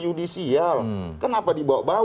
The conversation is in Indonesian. judisial kenapa dibawa bawah